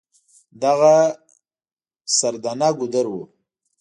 دغه سردنه ګودر و.